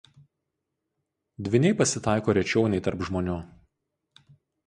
Dvyniai pasitaiko rečiau nei tarp žmonių.